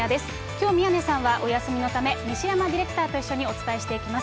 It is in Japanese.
きょう、宮根さんはお休みのため、西山ディレクターと一緒にお伝えしていきます。